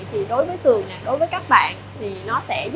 thì đối với tường đối với các bạn